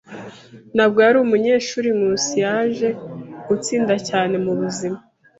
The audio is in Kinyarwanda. Nubwo yari umunyeshuri, Nkusi yaje gutsinda cyane mubuzima.